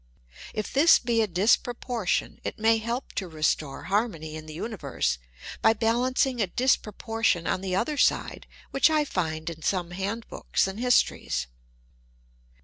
If this be a disproportion, it Digitized by Google PREFACE may help to restore harmony in the universe by balancing a disproportion on the other side which I find in some hand books and histories.